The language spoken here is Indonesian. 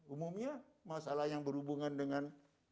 umumnya masalah yang berhubungan dengan